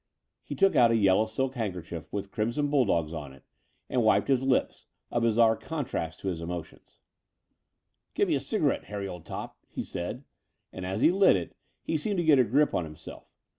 He took out a yellow silk handkerchief with crimson bulldogs on it and wiped his lips, a bizarre contrast to his emotion. "Give me a cigarette, Harry, old top," he said; and as he lit it, he seemed to get a fresh grip on himself.